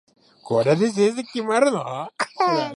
これで成績決まるの？